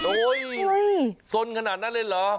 สนขนาดนั้นเลยเหรอ